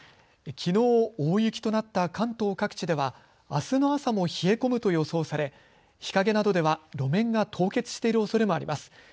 きのう大雪となった関東各地ではあすの朝も冷え込むと予想され日陰などでは路面が凍結しているおそれもあります。